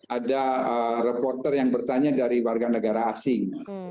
ada reporter yang bertanya dari warga negara asing